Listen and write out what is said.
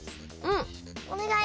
おねがい！